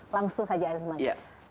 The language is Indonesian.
langsung saja hilman